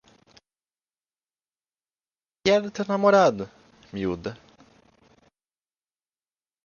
Que é do teu namorado, miúda?